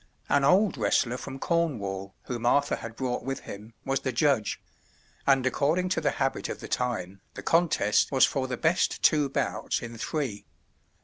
An old wrestler from Cornwall, whom Arthur had brought with him, was the judge; and according to the habit of the time, the contest was for the best two bouts in three.